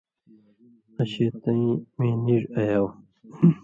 آں شېطَیں مِیں نِیڙ ایاؤ۔